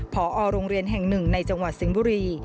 พอโรงเรียนแห่งหนึ่งในจังหวัดสิงห์บุรี